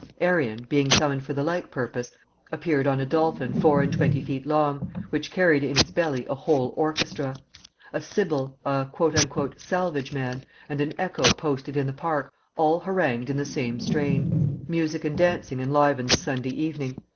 Arion, being summoned for the like purpose, appeared on a dolphin four and twenty feet long, which carried in its belly a whole orchestra. A Sibyl, a "Salvage man" and an Echo posted in the park, all harangued in the same strain. Music and dancing enlivened the Sunday evening.